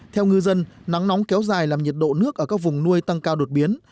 theo ngư dân nắng nóng kéo dài làm nhiệt độ nước ở các vùng nuôi tăng cao đột biến